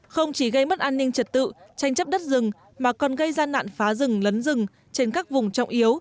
không chỉ gây mất an ninh trật tự tranh chấp đất rừng mà còn gây ra nạn phá rừng lấn rừng trên các vùng trọng yếu